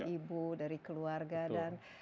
ibu dari keluarga dan